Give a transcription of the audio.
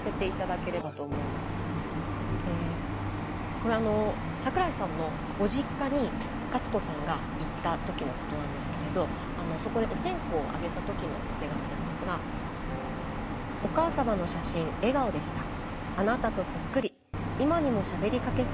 これは桜井さんのご実家に勝子さんが行ったときのことなんですけれどそこでお線香をあげたときのお手紙なんですが。とつづられているんですよね。